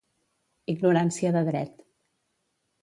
Ignorància de dret.